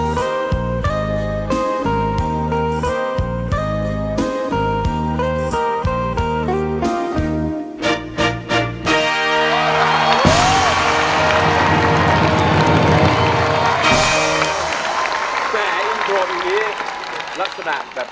ลักษณะแบบโลกสวยเหลือเกินนะครับ